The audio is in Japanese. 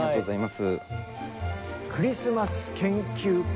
クリスマス研究家